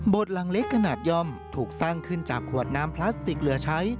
หลังเล็กขนาดย่อมถูกสร้างขึ้นจากขวดน้ำพลาสติกเหลือใช้